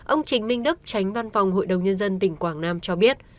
ông trình minh đức tránh văn phòng hội đồng nhân dân tỉnh quảng nam cho biết